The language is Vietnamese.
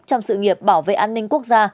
trong sự nghiệp bảo vệ an ninh quốc gia